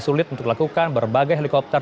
sulit untuk dilakukan berbagai helikopter